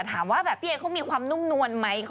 ถามว่าแบบพี่เอเขามีความนุ่มนวลไหม